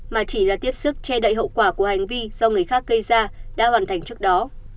mà chỉ là tiếp sức che đậy hậu quả của hành vi do người khác gây ra đã hoàn thành trước đó